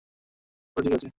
তবে ঠিক আছে।